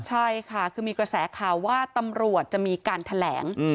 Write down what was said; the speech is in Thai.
ใช่ค่ะคือมีกระแสข่าวว่าตำรวจจะมีการแถลง